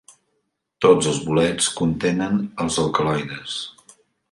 Tots els bolets contenen els alcaloides.